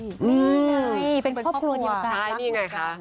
ใสหมิคดรเป็นครอบครัว